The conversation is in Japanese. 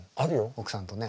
奥さんとねえ。